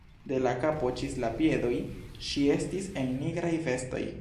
De la kapo ĝis la piedoj ŝi estis en nigraj vestoj.